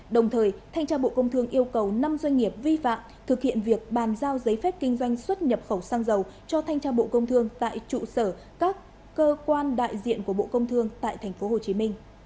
đồng thời thanh tra bộ công thương yêu cầu năm doanh nghiệp vi phạm thực hiện việc bàn giao giấy phép kinh doanh xuất nhập khẩu xăng dầu cho thanh tra bộ công thương tại trụ sở các cơ quan đại diện của bộ công thương tại tp hcm